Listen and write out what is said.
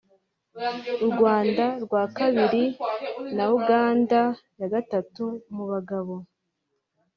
u Rwanda rwa kabiri na Uganda ya gatatu mu bagabo